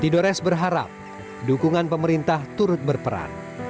di sini pemerintah juga berharap dukungan pemerintah turut berperan